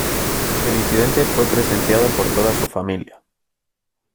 El incidente fue presenciado por toda su familia.